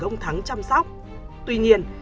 ông thắng chăm sóc tuy nhiên